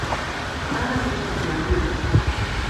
Anna Britten of Yahoo!